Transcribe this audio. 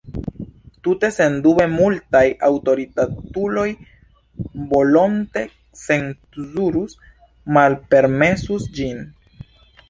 Tute sendube multaj aŭtoritatuloj volonte cenzurus, malpermesus ĝin.